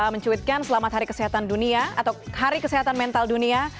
mencuitkan selamat hari kesehatan dunia atau hari kesehatan mental dunia